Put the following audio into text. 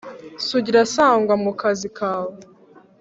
Sugira sangwa mu kazi kawe